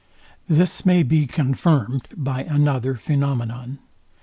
This may be confirmed by another phenomenon.